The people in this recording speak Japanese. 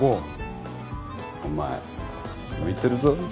お前向いてるぞ。